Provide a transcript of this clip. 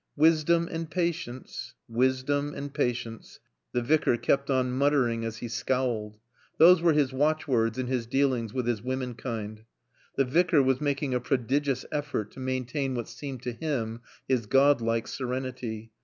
"Wisdom and patience, wisdom and patience " The Vicar kept on muttering as he scowled. Those were his watchwords in his dealings with his womenkind. The Vicar was making a prodigious effort to maintain what seemed to him his god like serenity.